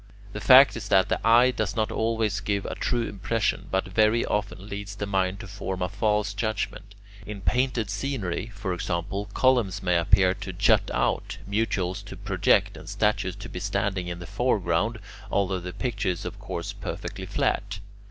The fact is that the eye does not always give a true impression, but very often leads the mind to form a false judgment. In painted scenery, for example, columns may appear to jut out, mutules to project, and statues to be standing in the foreground, although the picture is of course perfectly flat.